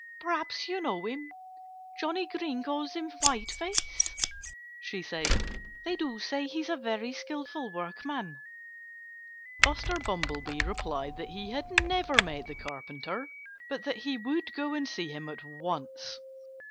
Perhaps you know him. Johnnie Green calls him Whiteface," she said. "They do say he's a very skillful workman." Buster Bumblebee replied that he had never met the Carpenter, but that he would go and see him at once.